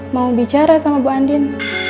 mau bicara sama bu andin